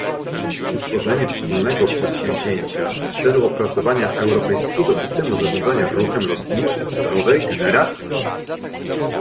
Utworzenie wspólnego przedsięwzięcia w celu opracowania europejskiego systemu zarządzania ruchem lotniczym nowej generacji